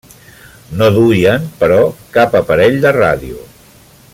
No duien, però, cap aparell de ràdio.